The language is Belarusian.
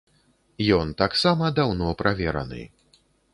Ён таксама даўно правераны.